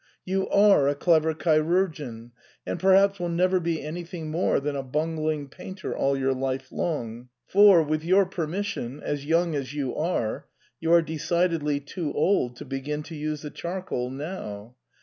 You are a clever chirurgeon, and perhaps will never be anything more than a bungling painter all your life long ; for, with your permission, as young as you are, you are decidedly too old to begin to use the charcoal now.